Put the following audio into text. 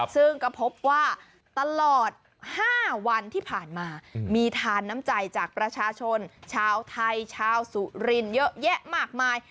ซึ่งก็พบว่าตลอด๕วันที่ผ่านมามีทานน้ำใจจากประชาชนชาวไทยชาวสุรินเยอะแยะมากมาย